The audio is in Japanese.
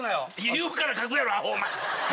言うからかくやろアホお前。